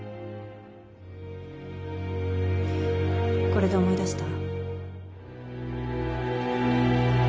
これで思い出した？